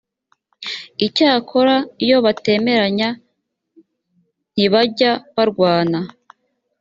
icyakora iyo batemeranya ntbajya barwana